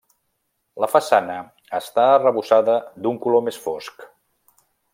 La façana està arrebossada d'un color més fosc.